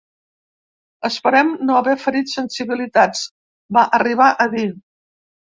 Esperem no haver ferit sensibilitats, va arribar a dir.